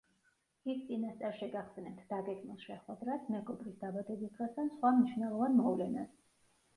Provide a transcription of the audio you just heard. ის წინასწარ შეგახსენებთ დაგეგმილ შეხვედრას, მეგობრის დაბადების დღეს ან სხვა მნიშვნელოვან მოვლენას.